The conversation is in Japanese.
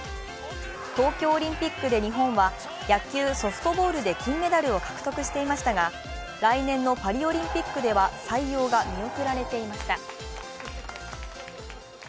東京オリンピックで日本は野球・ソフトボールで金メダルを獲得していましたが来年のパリオリンピックでは採用が見送られていました。